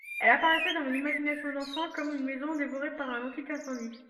Elle apparaissait dans mon imagination d'enfant comme une maison devorée par un antique incendie.